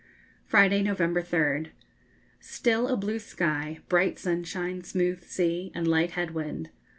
Friday, November 3rd. Still a blue sky, bright sunshine, smooth sea, and light head wind.